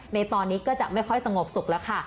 ในตอนนี้ก็จะไม่ค่อยสงบสุขแล้วค่ะ